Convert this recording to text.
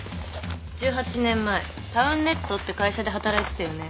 １８年前タウンネットって会社で働いてたよね？